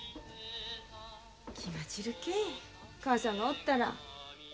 気が散るけ母さんがおったら。